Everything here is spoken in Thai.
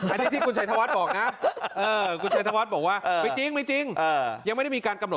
อันนี้ที่คุณชัยธวัฒน์บอกนะอย่างแล้วไม่กลับมาก่อน